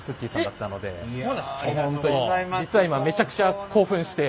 実は今めちゃくちゃ興奮して。